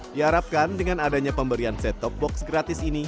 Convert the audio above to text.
diharapkan dengan adanya pemberian set top box gratis ini